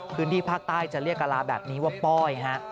พื้นที่ภาคใต้จะเรียกกะลาแบบนี้ว่าป้อยฮะ